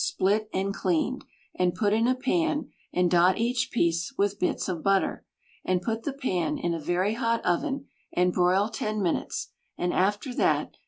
Split and cleaned. And put in a pan. And dot each piece. With bits of butter. And put the pan. In a very hot oven. And broil ten minutes. And after that.